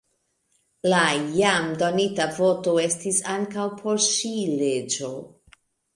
La jam donita voto estis ankaŭ por ŝi leĝo.